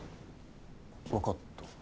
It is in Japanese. わかった。